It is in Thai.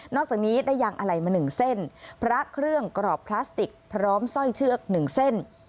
อกจากนี้ได้ยางอะไหล่มาหนึ่งเส้นพระเครื่องกรอบพลาสติกพร้อมสร้อยเชือกหนึ่งเส้น